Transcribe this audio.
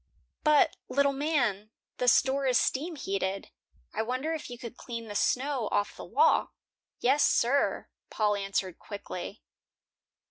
"But, little man, the store is steam heated. I wonder if you could clean the snow off the walk." "Yes, sir," Paul answered, quickly.